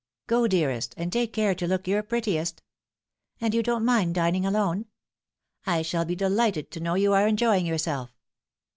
" Go, dearest ; and take care to look your prettiest." " And you won't mind dining alone ?" "I shall be delighted to know you are enjoying yourself."